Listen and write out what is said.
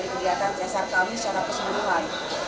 ini adalah bagian dari kegiatan csr kami secara keseluruhan